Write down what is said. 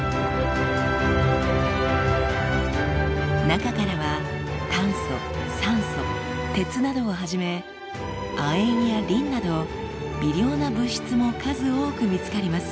中からは炭素酸素鉄などをはじめ亜鉛やリンなど微量な物質も数多く見つかります。